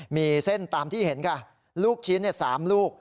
มีเส้นตามที่เห็นค่ะลูกชิ้น๓ลูก